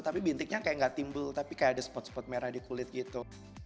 tapi bintiknya kayak gak timbul tapi kayak ada spot spot merah di kulit gitu